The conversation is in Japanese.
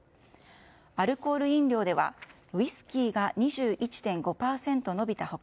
アルコール飲料ではウイスキーが２１．５％伸びた他